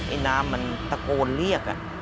น้ำมันตะโกนเรียก